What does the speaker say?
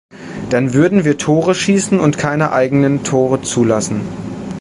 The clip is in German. Dann würden wir Tore schießen und keine eigenen Tore zulassen.